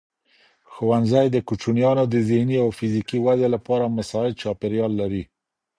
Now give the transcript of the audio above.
ښوونځی د کوچنیانو د ذهني او فزیکي ودې لپاره مساعد چاپېریال لري.